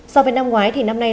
so với năm ngoái thì năm nay